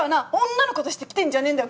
女の子として来てんじゃねえんだよ。